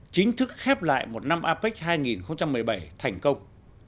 chính thức khép lại một năm apec hai nghìn một mươi bảy thành công